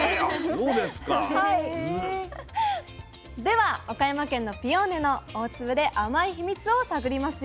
では岡山県のピオーネの大粒で甘いヒミツを探りますよ。